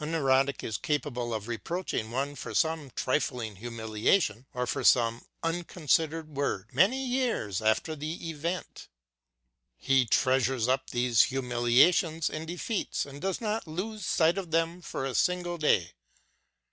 A neurotic is capable of reproaching one for some trifling humiliation or for some uncon sidered word many years after the event. He 196 LOOKING BACKWARD treasures up these humiliations and defeats and does not lose sight of them for a single day.